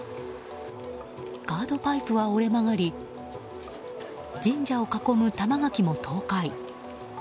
ガードパイプは折れ曲がり神社を囲む玉垣も倒壊。